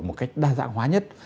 một cách đa dạng hóa nhất